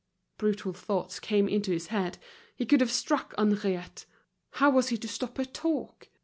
Brutal thoughts came into his head, he could have struck Henriette. How was he to stop her talk?